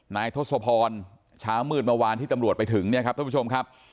ทศพรเช้ามืดเมื่อวานที่ตำรวจไปถึงเนี่ยครับท่านผู้ชมครับ